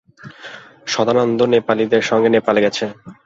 সদানন্দ নেপালীদের সঙ্গে নেপালে গেছে।